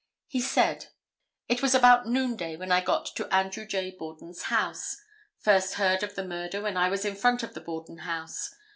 He said: "It was about noonday when I got to Andrew J. Borden's house. First heard of the murder when I was in front of the Borden house.